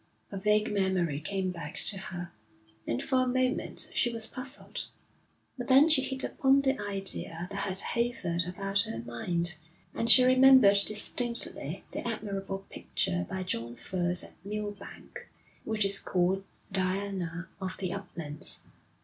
A vague memory came back to her, and for a moment she was puzzled; but then she hit upon the idea that had hovered about her mind, and she remembered distinctly the admirable picture by John Furse at Millbank, which is called Diana of the Uplands.